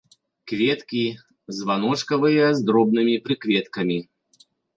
Кветкі званочкавыя з дробнымі прыкветкамі.